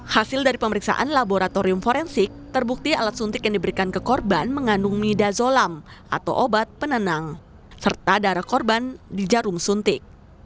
hasil dari pemeriksaan laboratorium forensik terbukti alat suntik yang diberikan ke korban mengandung mida zolam atau obat penenang serta darah korban di jarum suntik